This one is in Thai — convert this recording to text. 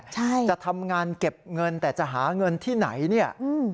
ใช่จะทำงานเก็บเงินแต่จะหาเงินที่ไหนเนี่ยอืม